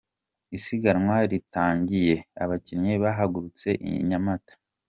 Isiganwa riratangiye, abakinnyi bahagurutse i Nyamata